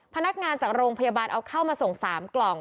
พนักงานจากโรงพยาบาลเอาเข้ามาส่ง๓กล่อง